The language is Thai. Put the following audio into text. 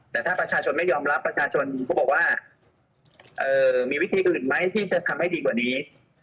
แต่ถ้าประชาชนไม่ยอมรับประชาชนเขาบอกว่ามีวิธีอื่นไหมที่จะทำให้ดีกว่านี้